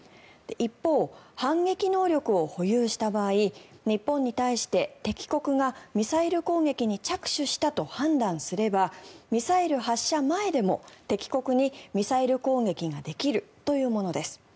一方、反撃能力を保有した場合日本に対して敵国がミサイル攻撃に着手したと判断すればミサイル発射前でも敵国にミサイル攻撃ができるというものです。